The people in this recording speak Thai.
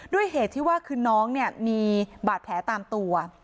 ด้วยเหตุที่ว่าคือน้องเนี่ยมีบาดแผลตามตัว